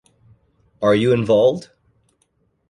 Are You Involved?